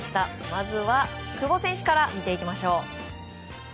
まずは、久保選手から見ていきましょう。